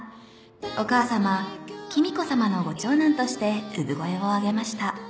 お母さま公子さまのご長男として産声を上げました。